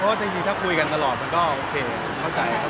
เพราะว่าจริงถ้าคุยกันตลอดมันก็โอเคเข้าใจครับ